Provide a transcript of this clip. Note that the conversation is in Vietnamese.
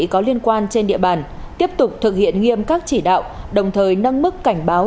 có liên quan trên địa bàn tiếp tục thực hiện nghiêm các chỉ đạo đồng thời nâng mức cảnh báo